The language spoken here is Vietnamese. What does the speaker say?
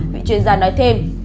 vị chuyên gia nói thêm